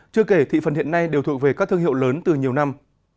chưa kể thị phần hiện nay đều thuộc về các thương hiệu lớn từ nhiều năm